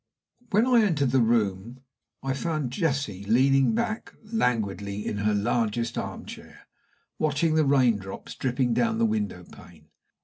When I entered the room I found Jessie leaning back languidly in her largest arm chair, watching the raindrops dripping down the window pane.